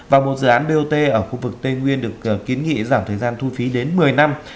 và một dự án bot ở khu vực tây nguyên được kiến nghị giảm thời gian thu phí đến một mươi năm